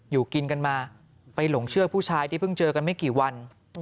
อยู่กินกันมาไปหลงเชื่อผู้ชายที่เพิ่งเจอกันไม่กี่วัน